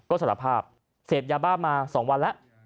ก็สารภาพเสพยาบ้ามา๒วันแล้ว